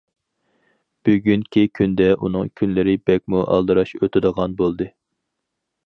بۈگۈنكى كۈندە ئۇنىڭ كۈنلىرى بەكمۇ ئالدىراش ئۆتىدىغان بولدى.